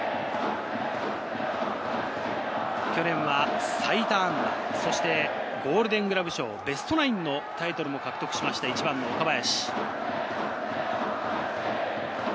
去年は最多安打、そしてゴールデングラブ賞、ベストナインのタイトルも獲得しました、１番・岡林。